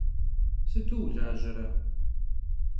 Sıtu vulajere?